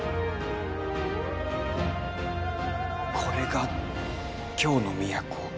これが京の都。